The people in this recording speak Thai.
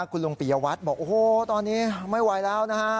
คุณลุงปิยวัตรบอกโอ้โหตอนนี้ไม่ไหวแล้วนะฮะ